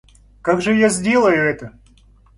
Как же я сделаю это?